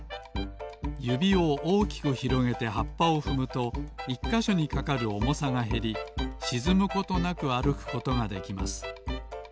ゆびをおおきくひろげてはっぱをふむと１かしょにかかるおもさがへりしずむことなくあるくことができます。